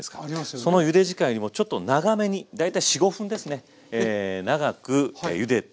そのゆで時間よりもちょっと長めに大体４５分ですね長くゆでております。